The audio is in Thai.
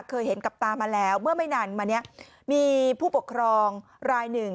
เคยเห็นกับตามาแล้วเมื่อไม่นานมาเนี่ยมีผู้ปกครองรายหนึ่ง